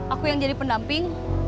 aku yang jadi pendamping